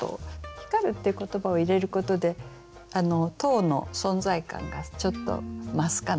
「光る」っていう言葉を入れることで塔の存在感がちょっと増すかなっていうことでしょうか。